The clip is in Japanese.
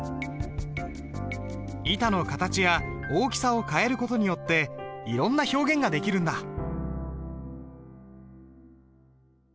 板の形や大きさを変える事によっていろんな表現ができるんだ。